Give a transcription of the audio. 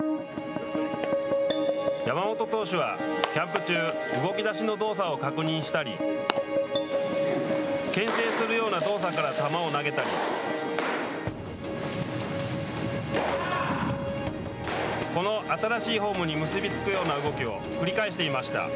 山本投手はキャンプ中動き出しの動作を確認したりけん制するような動作から球を投げたりこの新しいフォームに結び付くような動きを繰り返していました。